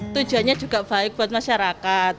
tujuannya juga baik buat masyarakat